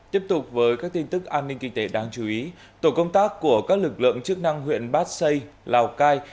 tiếp tục với các tin tức an ninh kinh tế đáng chú ý tổ công tác của các lực lượng chức năng huyện bát xây lào cai